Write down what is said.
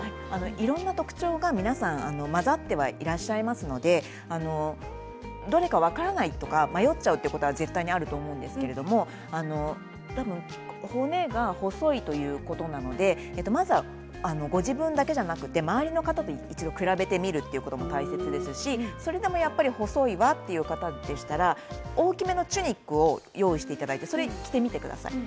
いろんな特徴が皆様混ざってはいらっしゃいますのでどれか分からないとか迷っちゃうということは絶対にあると思うんですけどただ骨が細いということなのでまずはご自分だけじゃなくて周りの方と一度比べてみるということが大切ですしそれでも細いわという方でしたら大きめのチュニックを用意していただいて着てみてください。